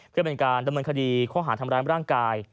เพื่อเป็นการดำเนินคดีข้อหาทำร้ายร่างกาย